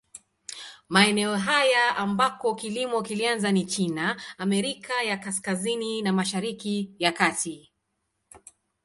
Maeneo haya ambako kilimo kilianza ni China, Amerika ya Kaskazini na Mashariki ya Kati.